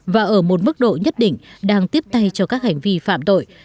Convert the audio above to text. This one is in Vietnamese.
và ở một mức độ nhất định đang tiếp tay cho các hành vi phạm tội